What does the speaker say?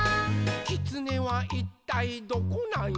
「きつねはいったいどこなんよ？」